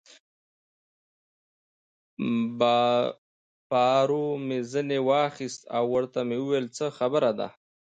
پارو مې ځینې واخیست او ورته مې وویل: څه خبره ده؟